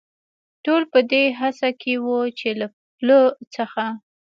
ټول په دې هڅه کې و، چې له پله څخه.